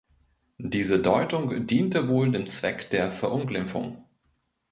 Diese Deutung diente wohl dem Zweck der Verunglimpfung.